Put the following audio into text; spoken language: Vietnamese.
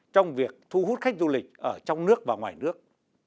trong việc thu hút khách du lịch ở trong nước và ngoài nước